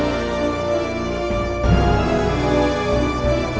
aku dapat sagtirkan hukum dengan mereka untukmu